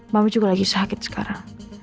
mama juga lagi sakit sekarang